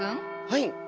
はい！